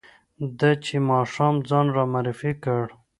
ده چې ماښام ځان را معرفي کړ.